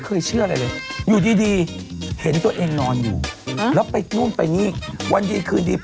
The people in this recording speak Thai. ก็ใช้บ้านของตัวเองคอนโดที่ตัวเองเพิ่งซื้อใหม่